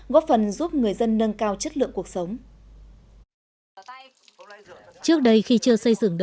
góp phần giúp người dân nâng cao chất lượng cuộc sống